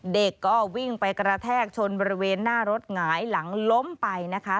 เด็กก็วิ่งไปกระแทกชนบริเวณหน้ารถหงายหลังล้มไปนะคะ